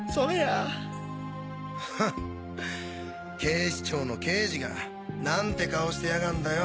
警視庁の刑事がなんて顔してやがんだよ。